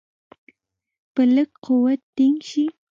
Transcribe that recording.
په لږ قوت ټینګ شي.